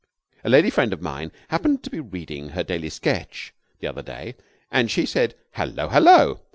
A lady friend of mine happened to be reading her Daily Sketch the other day, and she said 'Hullo! hullo!'